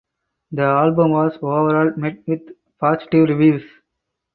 The album was overall met with positive reviews.